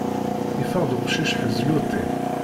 Yeffeɣ-d uqcic ḥezluṭi!